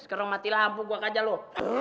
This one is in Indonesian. sekarang matilah ampu gue aja lu